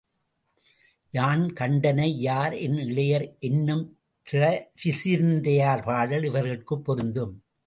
யான் கண்டனை யர் என் இளையர் என்னும் பிசிராந்தையார் பாடல் இவர்கட்குப் பொருந்தும்.